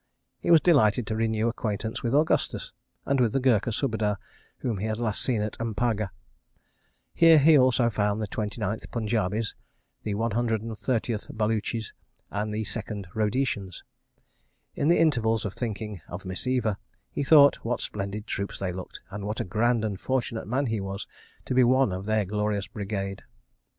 He was delighted to renew acquaintance with Augustus and with the Gurkha Subedar—whom he had last seen at M'paga. Here he also found the 29th Punjabis, the 130th Baluchis, and the 2nd Rhodesians. In the intervals of thinking of Miss Eva, he thought what splendid troops they looked, and what a grand and fortunate man he was to be one of their glorious Brigade.